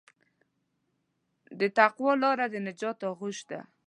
د تقوی لاره د نجات آغوش ده.